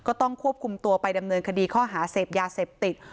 ก็ต้องควบคุมตัวไปดำเนินคดีข้อหาเสพยาเสพติด